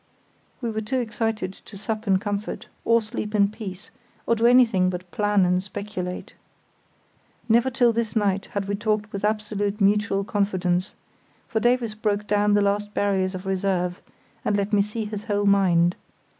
We were too excited to sup in comfort, or sleep in peace, or to do anything but plan and speculate. Never till this night had we talked with absolute mutual confidence, for Davies broke down the last barriers of reserve and let me see his whole mind.